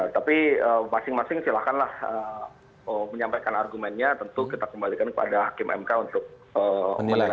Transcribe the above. tapi masing masing silahkanlah menyampaikan argumennya tentu kita kembalikan kepada hakim mk untuk menilai